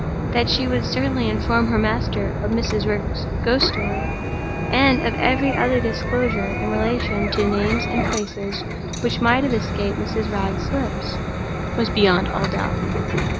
That she would certainly inform her master of Mrs. Wragge's ghost story, and of every other disclosure in relation to names and places which might have escaped Mrs. Wragge's lips, was beyond all doubt.